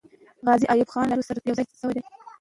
غازي ایوب خان له نورو سره یو ځای سوی دی.